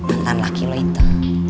sama mantan laki lo itu